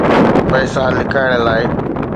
پئسا لڪائڻ لاءِ.